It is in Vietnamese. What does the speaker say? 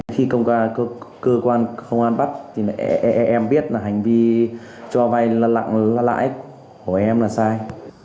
khi cơ quan công an bắt thì em biết là hành vi cho vay lặng lãi của em là sai